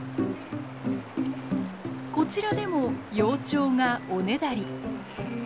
こちらでも幼鳥がおねだり。